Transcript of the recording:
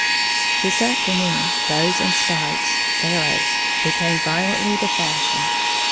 _ This afternoon bows and spikes (arrows) became violently the fashion.